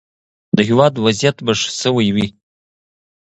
د هیواد وضعیت به ښه شوی وي.